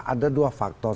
ada dua faktor